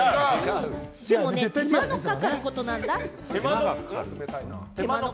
でもね、手間のかかることなんだ。